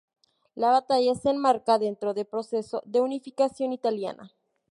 La batalla se enmarca dentro del proceso de Unificación Italiana.